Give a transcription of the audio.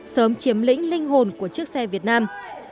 sớm chiếm lĩnh linh hồn của các đối tác trong nước